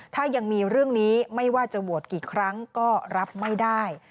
ถ้ายังมีเรื่องนี้ไม่ว่าจะโหวตกี่ครั้งก็รับไม่ได้